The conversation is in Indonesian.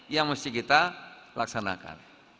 yang mesti kita laksanakan